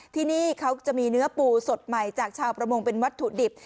ที่นี่เขาจะมีเนื้อปูสดใหม่จากชาวประมงเป็นวัตถุดิบ